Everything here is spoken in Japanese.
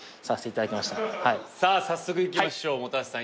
早速いきましょう本橋さん